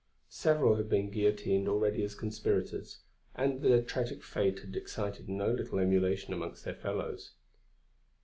Several had been guillotined already as conspirators, and their tragic fate had excited no little emulation among their fellows.